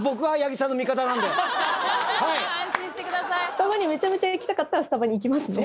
スタバにめちゃめちゃ行きたかったらスタバに行きますね。